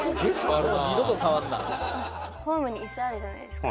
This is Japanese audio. ホームに椅子あるじゃないですか。